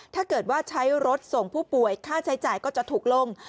ถ้าเกิดว่าใช้รถส่งผู้ป่วยค่าใช้จ่ายก็จะถูกลง